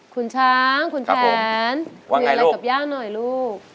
คุณช้างคุณแผนเลือกอะไรกับย่าหน่อยลูกว่าไงลูก